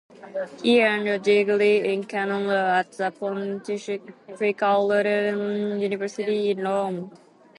He earned a degree in Canon law at the Pontifical Lateran University in Rome.